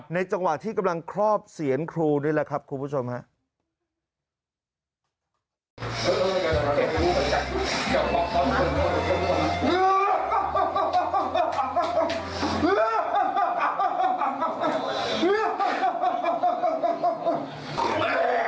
จังหวะที่กำลังครอบเสียนครูนี่แหละครับคุณผู้ชมครับ